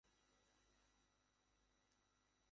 শরীর দুই প্রকার।